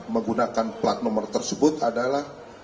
menggunakan plat nomor tersebut adalah